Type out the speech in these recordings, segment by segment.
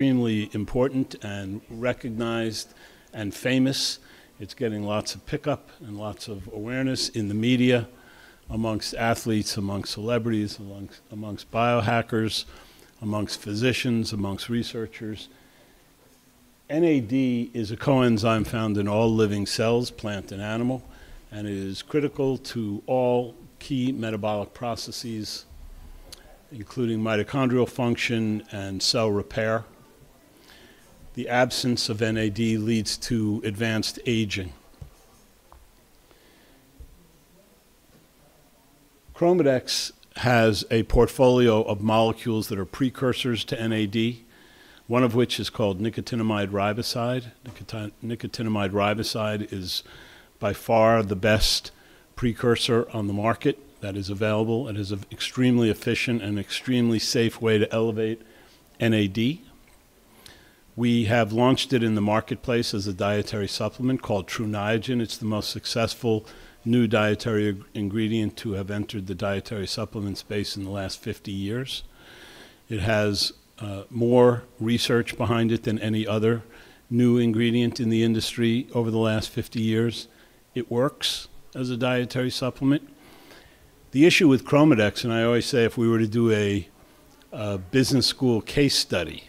Extremely important and recognized and famous. It's getting lots of pickup and lots of awareness in the media among athletes, among celebrities, among biohackers, among physicians, among researchers. NAD is a coenzyme found in all living cells, plant and animal, and it is critical to all key metabolic processes, including mitochondrial function and cell repair. The absence of NAD leads to advanced aging. ChromaDex has a portfolio of molecules that are precursors to NAD, one of which is called nicotinamide riboside. Nicotinamide riboside is by far the best precursor on the market that is available. It is an extremely efficient and extremely safe way to elevate NAD. We have launched it in the marketplace as a dietary supplement called Tru Niagen. It's the most successful new dietary ingredient to have entered the dietary supplement space in the last 50 years. It has more research behind it than any other new ingredient in the industry over the last 50 years. It works as a dietary supplement. The issue with ChromaDex, and I always say if we were to do a business school case study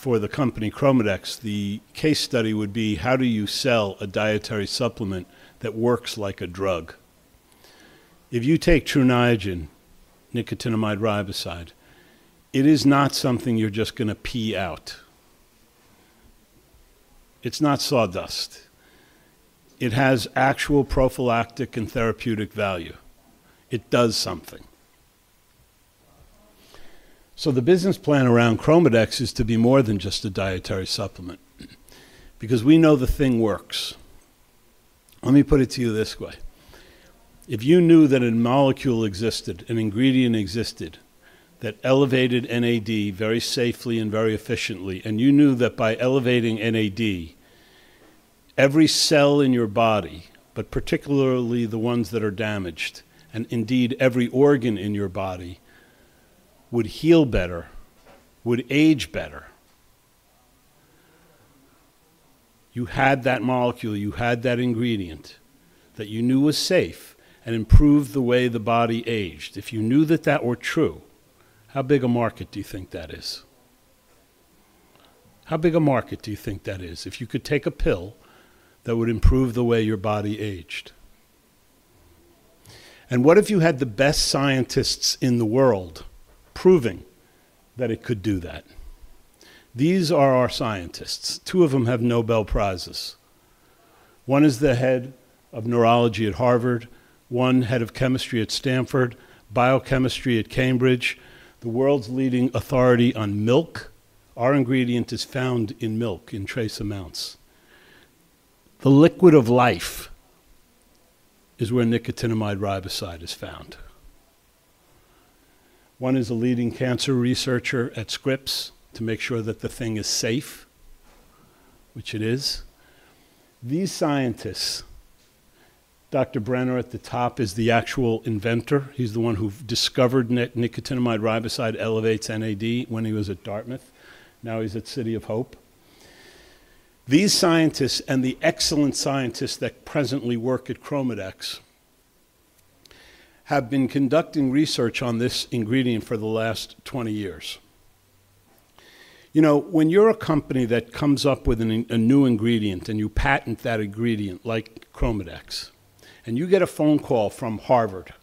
for the company ChromaDex, the case study would be how do you sell a dietary supplement that works like a drug. If you take Tru Niagen, nicotinamide riboside, it is not something you're just going to pee out. It's not sawdust. It has actual prophylactic and therapeutic value. It does something. So the business plan around ChromaDex is to be more than just a dietary supplement because we know the thing works. Let me put it to you this way. If you knew that a molecule existed, an ingredient existed that elevated NAD very safely and very efficiently, and you knew that by elevating NAD, every cell in your body, but particularly the ones that are damaged, and indeed every organ in your body would heal better, would age better, you had that molecule, you had that ingredient that you knew was safe and improved the way the body aged. If you knew that that were true, how big a market do you think that is? How big a market do you think that is if you could take a pill that would improve the way your body aged? And what if you had the best scientists in the world proving that it could do that? These are our scientists. Two of them have Nobel Prizes. One is the head of neurology at Harvard, one head of chemistry at Stanford, biochemistry at Cambridge, the world's leading authority on milk. Our ingredient is found in milk in trace amounts. The liquid of life is where nicotinamide riboside is found. One is a leading cancer researcher at Scripps to make sure that the thing is safe, which it is. These scientists, Dr. Brenner at the top is the actual inventor. He's the one who discovered that nicotinamide riboside elevates NAD when he was at Dartmouth. Now he's at City of Hope. These scientists and the excellent scientists that presently work at ChromaDex have been conducting research on this ingredient for the last 20 years. You know, when you're a company that comes up with a new ingredient and you patent that ingredient like ChromaDex and you get a phone call from Harvard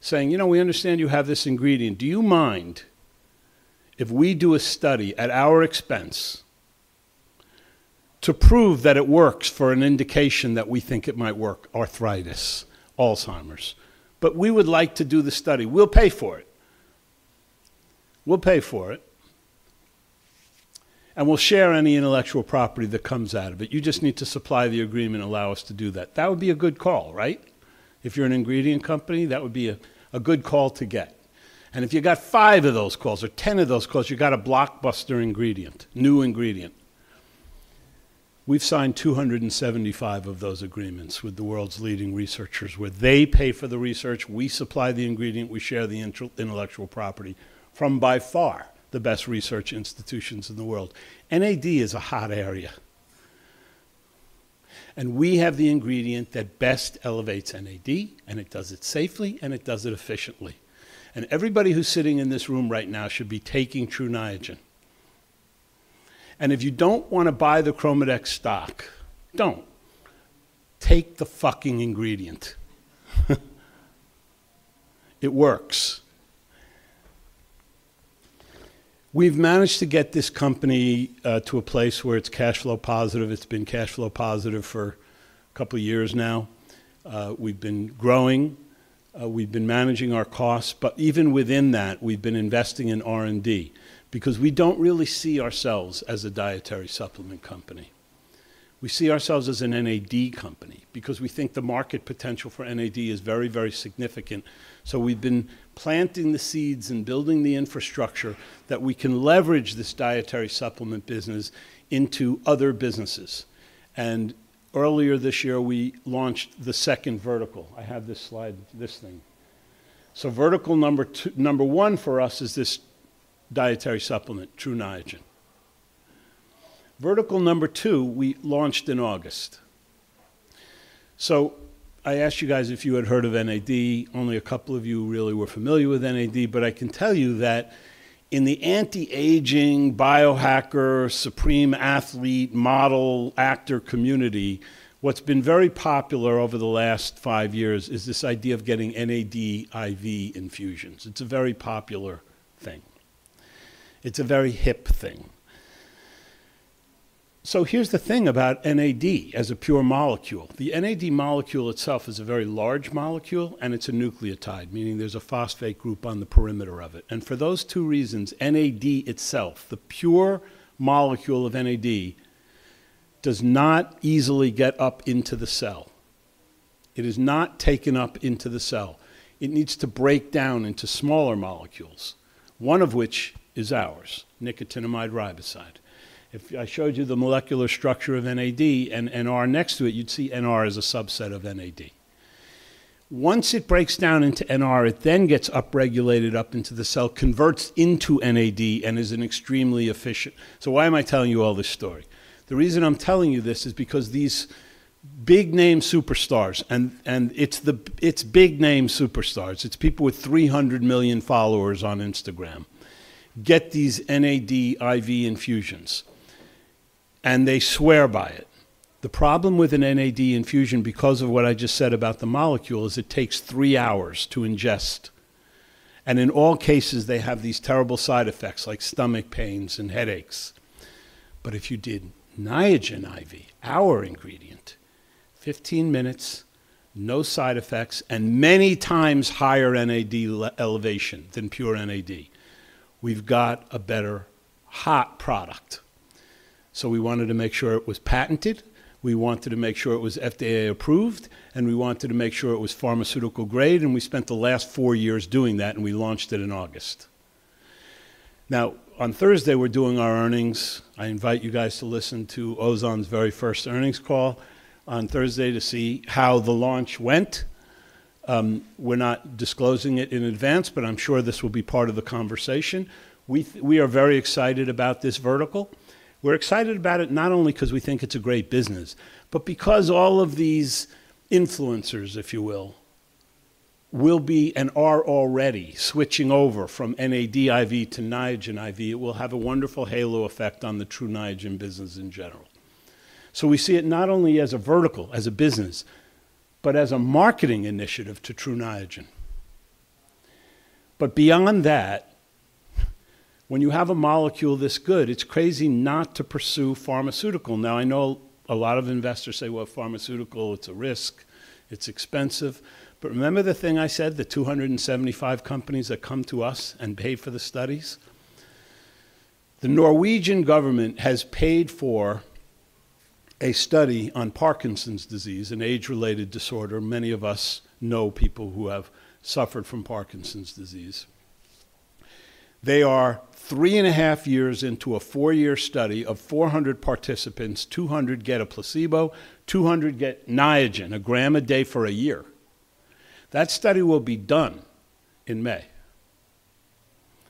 saying, you know, we understand you have this ingredient. Do you mind if we do a study at our expense to prove that it works for an indication that we think it might work? Arthritis, Alzheimer's. But we would like to do the study. We'll pay for it. We'll pay for it. And we'll share any intellectual property that comes out of it. You just need to supply the agreement, allow us to do that. That would be a good call, right? If you're an ingredient company, that would be a good call to get. And if you got five of those calls or ten of those calls, you got a blockbuster ingredient, new ingredient. We've signed 275 of those agreements with the world's leading researchers where they pay for the research. We supply the ingredient. We share the intellectual property from by far the best research institutions in the world. NAD is a hot area. And we have the ingredient that best elevates NAD, and it does it safely, and it does it efficiently. And everybody who's sitting in this room right now should be taking Tru Niagen. And if you don't want to buy the ChromaDex stock, don't. Take the fucking ingredient. It works. We've managed to get this company to a place where it's cash flow positive. It's been cash flow positive for a couple of years now. We've been growing. We've been managing our costs. But even within that, we've been investing in R&D because we don't really see ourselves as a dietary supplement company. We see ourselves as an NAD company because we think the market potential for NAD is very, very significant. So we've been planting the seeds and building the infrastructure that we can leverage this dietary supplement business into other businesses. And earlier this year, we launched the second vertical. I have this slide, this thing. So vertical number one for us is this dietary supplement, Tru Niagen. Vertical number two, we launched in August. So I asked you guys if you had heard of NAD. Only a couple of you really were familiar with NAD. But I can tell you that in the anti-aging biohacker, supreme athlete, model, actor community, what's been very popular over the last five years is this idea of getting NAD IV infusions. It's a very popular thing. It's a very hip thing. So here's the thing about NAD as a pure molecule. The NAD molecule itself is a very large molecule, and it's a nucleotide, meaning there's a phosphate group on the perimeter of it. And for those two reasons, NAD itself, the pure molecule of NAD, does not easily get up into the cell. It is not taken up into the cell. It needs to break down into smaller molecules, one of which is ours, nicotinamide riboside. If I showed you the molecular structure of NAD and NR next to it, you'd see NR as a subset of NAD. Once it breaks down into NR, it then gets upregulated up into the cell, converts into NAD, and is an extremely efficient. So why am I telling you all this story? The reason I'm telling you this is because these big name superstars, and it's big name superstars, it's people with 300 million followers on Instagram, get these NAD IV infusions, and they swear by it. The problem with an NAD infusion, because of what I just said about the molecule, is it takes three hours to ingest. And in all cases, they have these terrible side effects like stomach pains and headaches. But if you did Niagen IV, our ingredient, 15 minutes, no side effects, and many times higher NAD elevation than pure NAD, we've got a better hot product. So we wanted to make sure it was patented. We wanted to make sure it was FDA approved, and we wanted to make sure it was pharmaceutical grade. And we spent the last four years doing that, and we launched it in August. Now, on Thursday, we're doing our earnings. I invite you guys to listen to Ozan's very first earnings call on Thursday to see how the launch went. We're not disclosing it in advance, but I'm sure this will be part of the conversation. We are very excited about this vertical. We're excited about it not only because we think it's a great business, but because all of these influencers, if you will, will be and are already switching over from NAD IV to Niagen IV. It will have a wonderful halo effect on the Tru Niagen business in general. So we see it not only as a vertical, as a business, but as a marketing initiative to Tru Niagen. But beyond that, when you have a molecule this good, it's crazy not to pursue pharmaceutical. Now, I know a lot of investors say, well, pharmaceutical, it's a risk, it's expensive. But remember the thing I said, the 275 companies that come to us and pay for the studies? The Norwegian government has paid for a study on Parkinson's disease, an age-related disorder. Many of us know people who have suffered from Parkinson's disease. They are three and a half years into a four-year study of 400 participants. 200 get a placebo, 200 get Niagen, a gram a day for a year. That study will be done in May.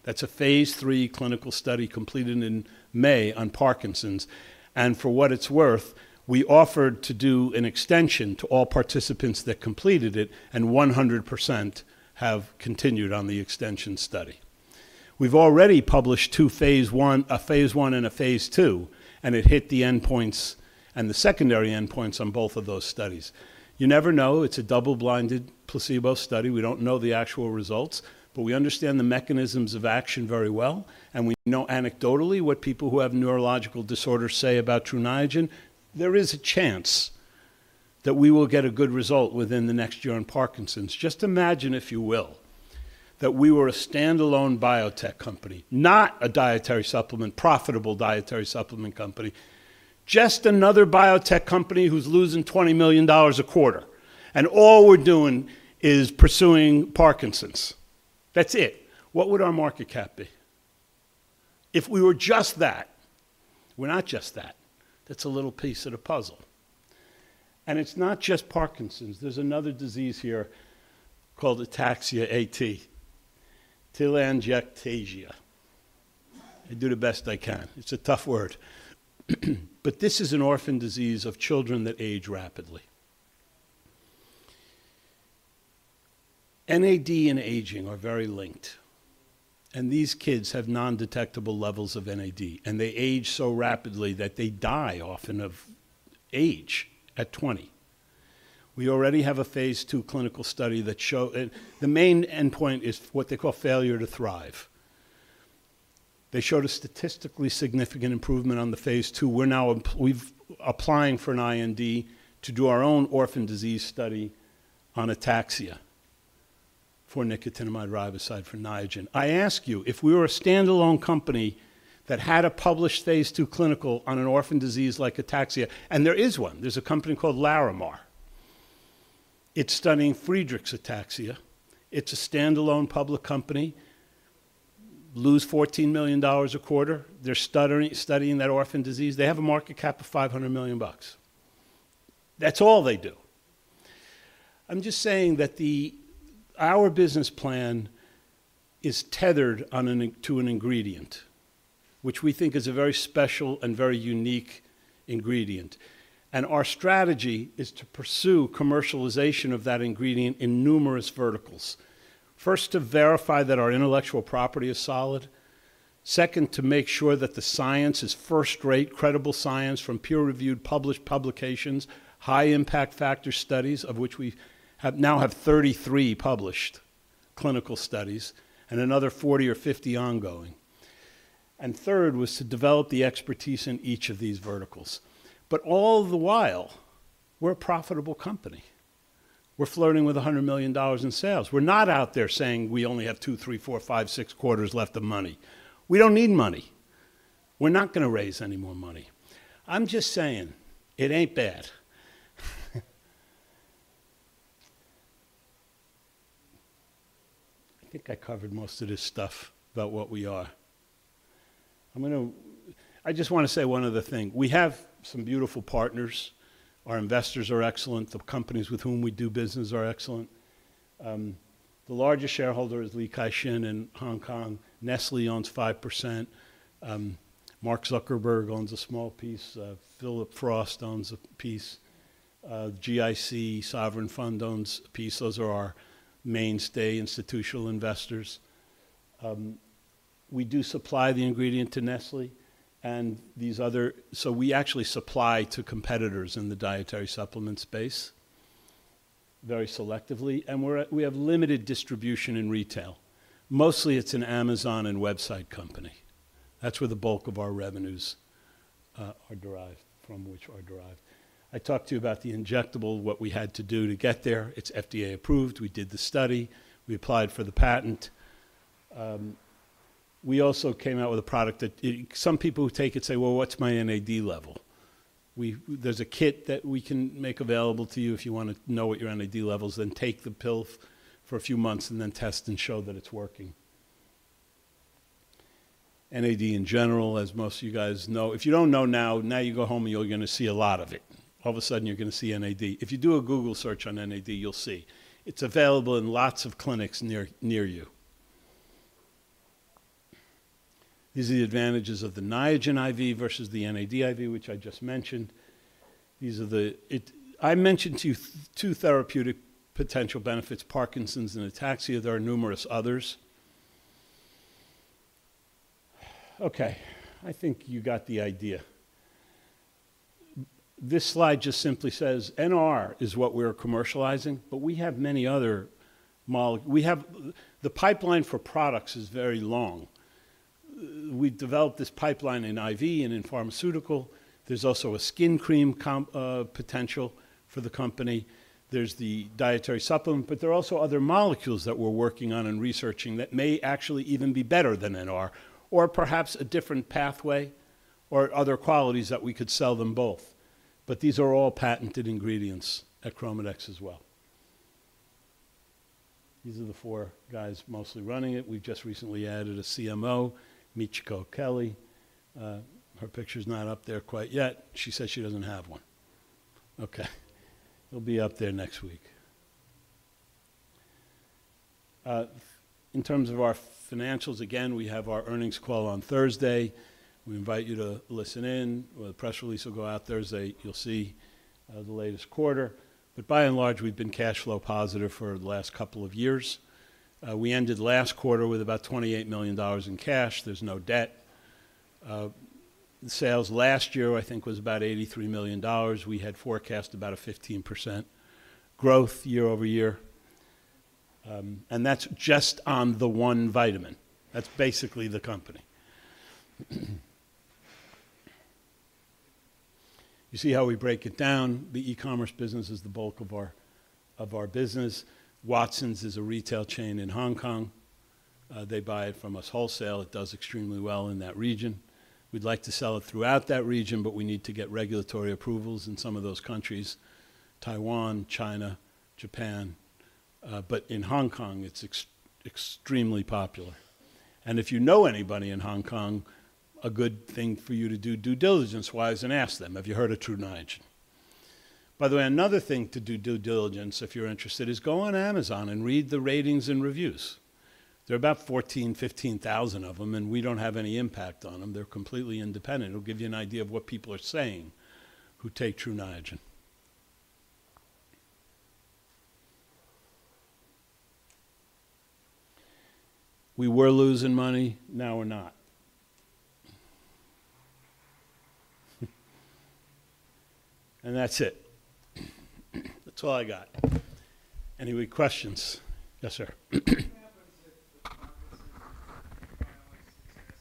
That's a phase III clinical study completed in May on Parkinson's. And for what it's worth, we offered to do an extension to all participants that completed it, and 100% have continued on the extension study. We've already published two phase I, a phase I and a phase II, and it hit the endpoints and the secondary endpoints on both of those studies. You never know. It's a double-blinded placebo study. We don't know the actual results, but we understand the mechanisms of action very well. And we know anecdotally what people who have neurological disorders say about Tru Niagen. There is a chance that we will get a good result within the next year on Parkinson's. Just imagine, if you will, that we were a standalone biotech company, not a dietary supplement, profitable dietary supplement company, just another biotech company who's losing $20 million a quarter, and all we're doing is pursuing Parkinson's. That's it. What would our market cap be? If we were just that, we're not just that. That's a little piece of the puzzle. And it's not just Parkinson's. There's another disease here called ataxia-telangiectasia. I do the best I can. It's a tough word. But this is an orphan disease of children that age rapidly. NAD and aging are very linked. And these kids have undetectable levels of NAD, and they age so rapidly that they die often at age 20. We already have a phase II clinical study that showed the main endpoint is what they call failure to thrive. They showed a statistically significant improvement on the phase II. We're now applying for an IND to do our own orphan disease study on Ataxia for nicotinamide riboside for Niagen. I ask you, if we were a standalone company that had a published phase II clinical on an orphan disease like Ataxia, and there is one, there's a company called Larimar. It's studying Friedreich's Ataxia. It's a standalone public company. It loses $14 million a quarter. They're studying that orphan disease. They have a market cap of $500 million. That's all they do. I'm just saying that our business plan is tethered to an ingredient, which we think is a very special and very unique ingredient. And our strategy is to pursue commercialization of that ingredient in numerous verticals. First, to verify that our intellectual property is solid. Second, to make sure that the science is first-rate, credible science from peer-reviewed published publications, high-impact factor studies, of which we now have 33 published clinical studies and another 40 or 50 ongoing. And third was to develop the expertise in each of these verticals. But all the while, we're a profitable company. We're flirting with $100 million in sales. We're not out there saying we only have two, three, four, five, six quarters left of money. We don't need money. We're not going to raise any more money. I'm just saying it ain't bad. I think I covered most of this stuff about what we are. I just want to say one other thing. We have some beautiful partners. Our investors are excellent. The companies with whom we do business are excellent. The largest shareholder is Li Ka-shing in Hong Kong. Nestlé owns 5%. Mark Zuckerberg owns a small piece. Phillip Frost owns a piece. GIC, sovereign fund owns a piece. Those are our mainstay institutional investors. We do supply the ingredient to Nestlé and these other, so we actually supply to competitors in the dietary supplement space very selectively, and we have limited distribution in retail. Mostly, it's an Amazon and website company. That's where the bulk of our revenues are derived from. I talked to you about the injectable, what we had to do to get there. It's FDA approved. We did the study. We applied for the patent. We also came out with a product that some people who take it say, "Well, what's my NAD level?" There's a kit that we can make available to you if you want to know what your NAD level is. Then take the pill for a few months and then test and show that it's working. NAD in general, as most of you guys know, if you don't know now, now you go home and you're going to see a lot of it. All of a sudden, you're going to see NAD. If you do a Google search on NAD, you'll see. It's available in lots of clinics near you. These are the advantages of the Niagen IV versus the NAD IV, which I just mentioned. I mentioned to you two therapeutic potential benefits, Parkinson's and Ataxia. There are numerous others. Okay. I think you got the idea. This slide just simply says NR is what we're commercializing, but we have many other molecules. The pipeline for products is very long. We developed this pipeline in IV and in pharmaceutical. There's also a skin cream potential for the company. There's the dietary supplement. But there are also other molecules that we're working on and researching that may actually even be better than NR or perhaps a different pathway or other qualities that we could sell them both. But these are all patented ingredients at ChromaDex as well. These are the four guys mostly running it. We've just recently added a CMO, Michiko Kelly. Her picture's not up there quite yet. She said she doesn't have one. Okay. It'll be up there next week. In terms of our financials, again, we have our earnings call on Thursday. We invite you to listen in. The press release will go out Thursday. You'll see the latest quarter. But by and large, we've been cash flow positive for the last couple of years. We ended last quarter with about $28 million in cash. There's no debt. Sales last year, I think, was about $83 million. We had forecast about a 15% growth year over year, and that's just on the one vitamin. That's basically the company. You see how we break it down? The e-commerce business is the bulk of our business. Watsons is a retail chain in Hong Kong. They buy it from us wholesale. It does extremely well in that region. We'd like to sell it throughout that region, but we need to get regulatory approvals in some of those countries: Taiwan, China, Japan, but in Hong Kong, it's extremely popular. If you know anybody in Hong Kong, a good thing for you to do due diligence-wise and ask them, "Have you heard of Tru Niagen?" By the way, another thing to do due diligence, if you're interested, is go on Amazon and read the ratings and reviews. There are about 14,000, 15,000 of them, and we don't have any impact on them. They're completely independent. It'll give you an idea of what people are saying who take Tru Niagen. We were losing money. Now we're not. And that's it. That's all I got. Any questions? Yes, sir. What happens if the pharmaceutical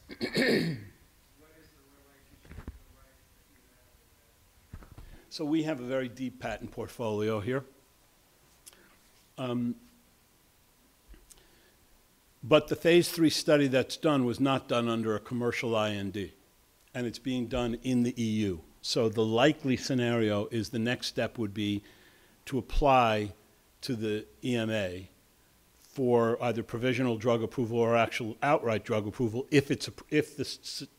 trial is successful? What is the relationship to the rights that you have with that? So we have a very deep patent portfolio here. But the phase III study that's done was not done under a commercial IND, and it's being done in the EU. So the likely scenario is the next step would be to apply to the EMA for either provisional drug approval or actual outright drug approval if the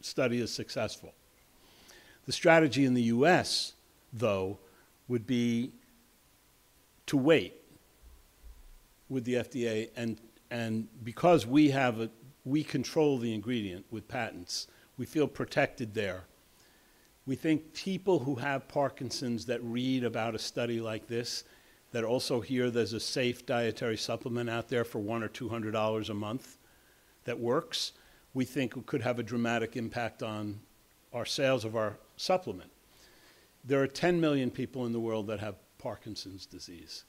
study is successful. The strategy in the U.S., though, would be to wait with the FDA. And because we control the ingredient with patents, we feel protected there. We think people who have Parkinson's that read about a study like this, that also hear there's a safe dietary supplement out there for $100 or $200 a month that works, we think it could have a dramatic impact on our sales of our supplement. There are 10 million people in the world that have Parkinson's disease.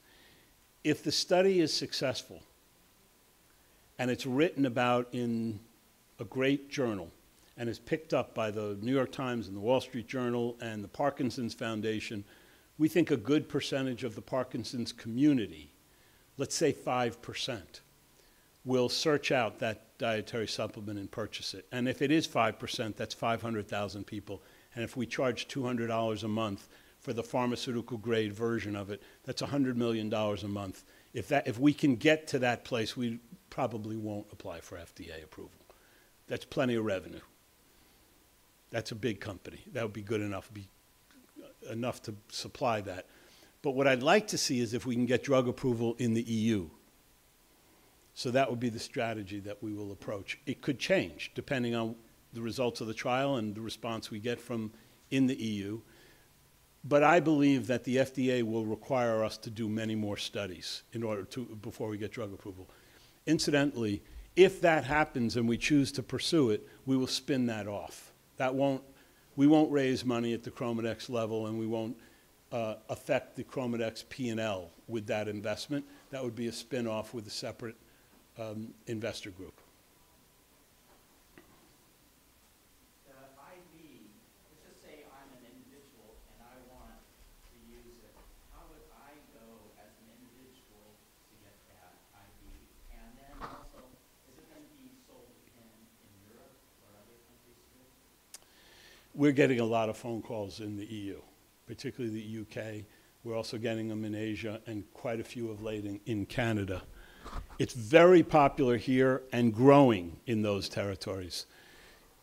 If the study is successful and it's written about in a great journal and is picked up by the New York Times and the Wall Street Journal and the Parkinson's Foundation, we think a good percentage of the Parkinson's community, let's say 5%, will search out that dietary supplement and purchase it. And if it is 5%, that's 500,000 people. And if we charge $200 a month for the pharmaceutical-grade version of it, that's $100 million a month. If we can get to that place, we probably won't apply for FDA approval. That's plenty of revenue. That's a big company. That would be good enough to supply that. But what I'd like to see is if we can get drug approval in the EU. So that would be the strategy that we will approach. It could change depending on the results of the trial and the response we get from the E.U. But I believe that the FDA will require us to do many more studies before we get drug approval. Incidentally, if that happens and we choose to pursue it, we will spin that off. We won't raise money at the ChromaDex level, and we won't affect the ChromaDex P&L with that investment. That would be a spin-off with a separate investor group. The IND, let's just say I'm an individual and I want to use it. How would I go as an individual to get that IND? And then also, is it going to be sold in Europe or other countries too? We're getting a lot of phone calls in the E.U., particularly the U.K. We're also getting them in Asia and quite a few of late in Canada. It's very popular here and growing in those territories.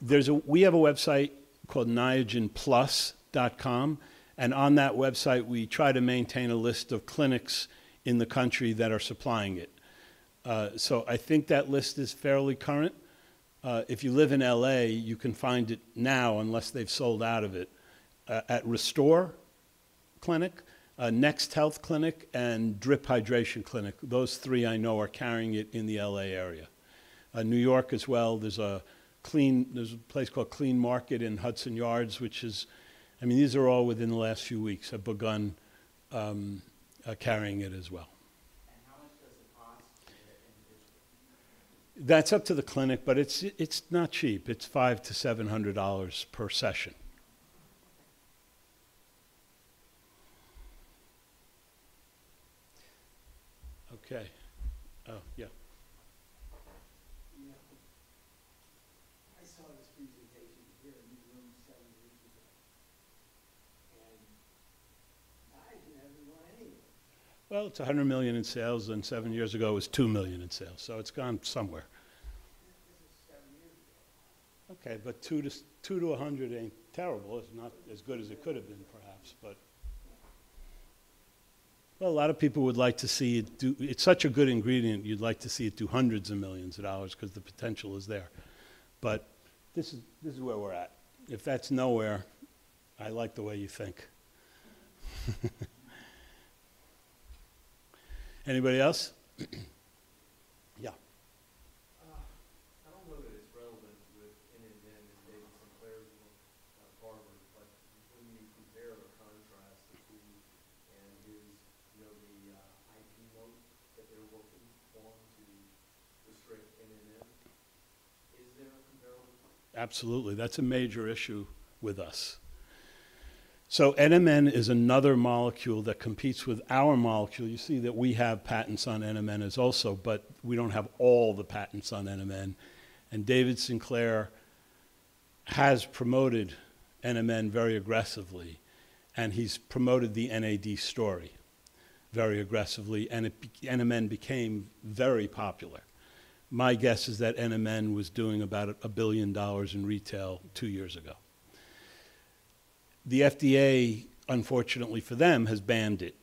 We have a website called NiagenPlus.com. And on that website, we try to maintain a list of clinics in the country that are supplying it. So I think that list is fairly current. If you live in L.A., you can find it now unless they've sold out of it at Restore Clinic, Next Health Clinic, and Drip Hydration Clinic. Those three I know are carrying it in the L.A. area. New York as well. There's a place called Clean Market in Hudson Yards, which is, I mean, these are all within the last few weeks have begun carrying it as well. And how much does it cost to get it individually? That's up to the clinic, but it's not cheap. It's $500-$700 per session. Okay. Oh, yeah. I saw this presentation here in the room seven years ago. And why isn't everyone anyway? Well, it's $100 million in sales, and seven years ago it was $2 million in sales. So it's gone somewhere. This is seven years ago. Okay. But $2 million to $100 million ain't terrible. It's not as good as it could have been, perhaps, but. Well, a lot of people would like to see it do. It's such a good ingredient. You'd like to see it do hundreds of millions of dollars because the potential is there. But this is where we're at. If that's nowhere, I like the way you think. Anybody else? Yeah. I don't know that it's relevant with NMN and David Sinclair's work at Harvard, but when you compare or contrast the two and the IP moat that they're working on to restrict NMN, is there a comparable? Absolutely. That's a major issue with us. NMN is another molecule that competes with our molecule. You see that we have patents on NMN as well, but we don't have all the patents on NMN. David Sinclair has promoted NMN very aggressively, and he's promoted the NAD story very aggressively, and NMN became very popular. My guess is that NMN was doing about $1 billion in retail two years ago. The FDA, unfortunately for them, has banned it.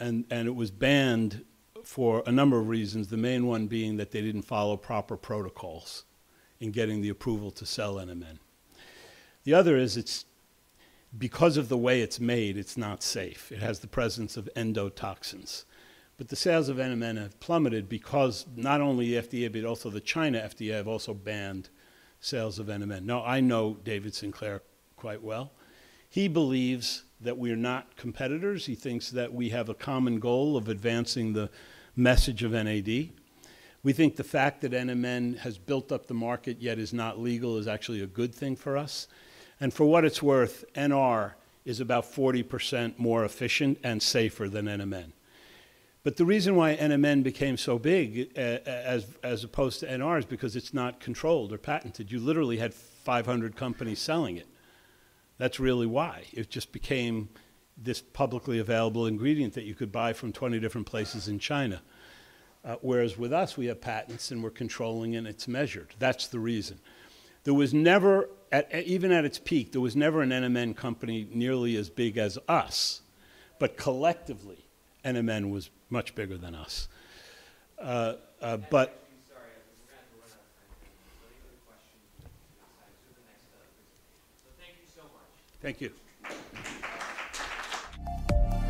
It was banned for a number of reasons, the main one being that they didn't follow proper protocols in getting the approval to sell NMN. The other is because of the way it's made, it's not safe. It has the presence of endotoxins. The sales of NMN have plummeted because not only the FDA, but also the China FDA have also banned sales of NMN. Now, I know David Sinclair quite well. He believes that we are not competitors. He thinks that we have a common goal of advancing the message of NAD. We think the fact that NMN has built up the market yet is not legal is actually a good thing for us. And for what it's worth, NR is about 40% more efficient and safer than NMN. But the reason why NMN became so big as opposed to NR is because it's not controlled or patented. You literally had 500 companies selling it. That's really why. It just became this publicly available ingredient that you could buy from 20 different places in China. Whereas with us, we have patents and we're controlling it and it's measured. That's the reason. Even at its peak, there was never an NMN company nearly as big as us, but collectively, NMN was much bigger than us. But. Sorry, I forgot to